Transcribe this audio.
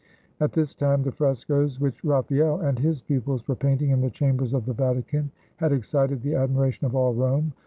At this time the frescoes which Raphael and his pupils were painting in the chambers of the Vatican had excited the admiration of all Rome.